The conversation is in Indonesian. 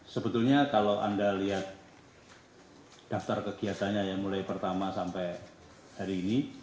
sebetulnya kalau anda lihat daftar kegiatannya ya mulai pertama sampai hari ini